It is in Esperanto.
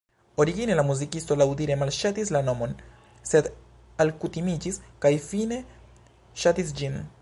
Origine la muzikisto laŭdire malŝatis la nomon, sed alkutimiĝis kaj fine ŝatis ĝin.